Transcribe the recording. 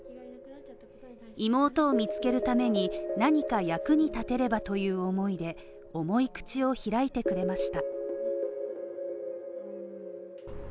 妹を見つけるために何か役に立てればという思いで、重い口を開いてくれました。